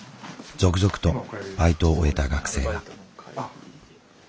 続々とバイトを終えた学生が。